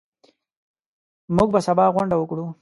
موږ به سبا غونډه وکړو.